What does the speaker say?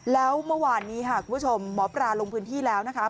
แล้วเมื่อวานนี้ค่ะคุณผู้ชมหมอปลาลงพื้นที่แล้วนะคะ